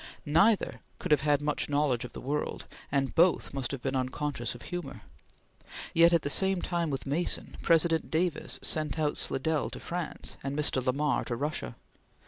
Neither could have had much knowledge of the world, and both must have been unconscious of humor. Yet at the same time with Mason, President Davis sent out Slidell to France and Mr. Lamar to Russia.